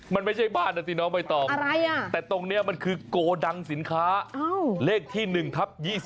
มันไม่ใช่บ้านนะสิน้องใบตองแต่ตรงนี้มันคือโกดังสินค้าเลขที่๑ทับ๒๐